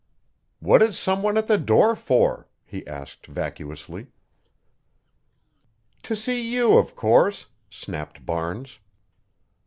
"What is some one at the door for?" he asked vacuously. "To see you, of course," snapped Barnes.